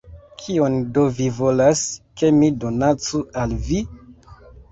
Kion do vi volas, ke mi donacu al vi?